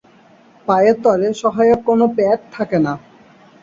পায়ের তলে সহায়ক কোনো প্যাড থাকে না।